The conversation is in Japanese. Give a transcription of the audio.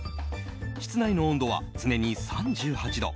室内の温度は常に３８度。